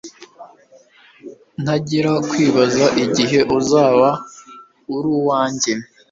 ntangira kwibaza igihe uzaba uruwanjye